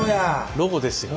ロゴですよ。